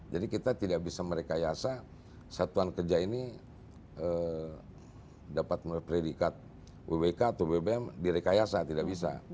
jadi kita tidak bisa merekayasa satuan kerja ini dapat melakukan predikat wbk atau wbbm direkayasa